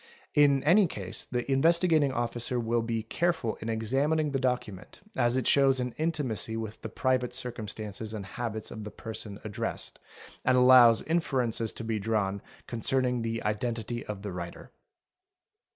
In any case the Investigating Officer will be careful in examining the docu ment, as it shows an intimacy with the private circumstances and habits of the person addressed, and allows inferences to be drawn concerning the identity of the writer.